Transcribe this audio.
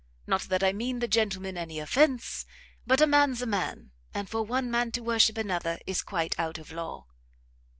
Not that I mean the gentleman any offence; but a man's a man, and for one man to worship another is quite out of law."